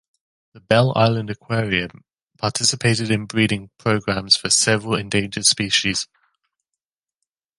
The Belle Isle Aquarium participated in breeding programs for several endangered species.